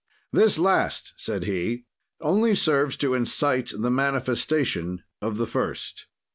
"This last," said he, "only serves to incite the manifestation of the first.